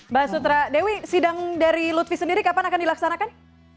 mbak sutra dewi sidang dari lutfi sendiri kapan akan dilaksanakan